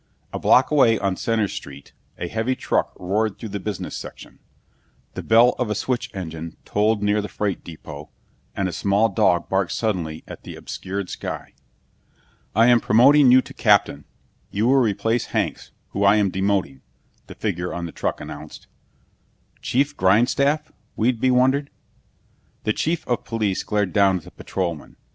A block away on Center Street, a heavy truck roared through the business section. The bell of a switch engine tolled near the freight depot, and a small dog barked suddenly at the obscured sky. "I am promoting you to captain. You will replace Hanks, whom I am demoting," the figure on the truck announced. "Chief Grindstaff?" Whedbee wondered. The chief of police glared down at the patrolman.